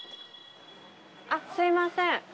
あっすみません。